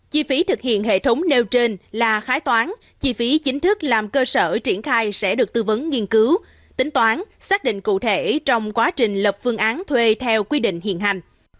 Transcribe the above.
chi phí thực hiện hệ thống nêu trên là khái toán chi phí chính thức làm cơ sở triển khai sẽ được tư vấn nghiên cứu tính toán xác định cụ thể trong quá trình lập phương án thuê theo quy định hiện hành